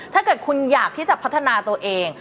ถ้าเกิดคุณอยากที่จะพัฒนาตัวเอง